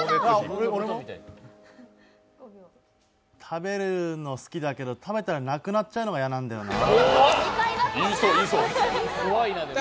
食べるの好きだけど、食べたらなくなっちゃうのが嫌なんだよな。